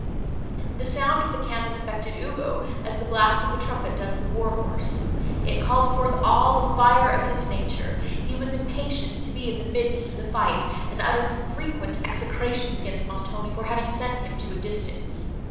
The sound of the cannon affected Ugo, as the blast of the trumpet does the war horse; it called forth all the fire of his nature; he was impatient to be in the midst of the fight, and uttered frequent execrations against Montoni for having sent him to a distance.